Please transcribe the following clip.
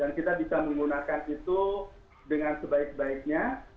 dan kita bisa menggunakan itu dengan sebaik sebaiknya